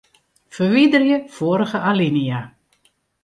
Ferwiderje foarige alinea.